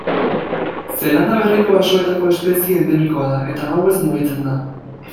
Zeelanda Berriko basoetako espezie endemikoa da, eta gauez mugitzen da.